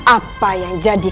apa yang jadi